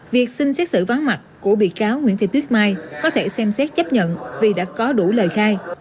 việc xin xét xử vắng mặt của bị cáo nguyễn thị tuyết mai có thể xem xét chấp nhận vì đã có đủ lời khai